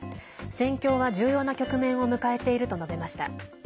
戦況は重要な局面を迎えていると述べました。